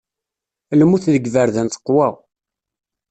Lmut deg yiberdan teqwa.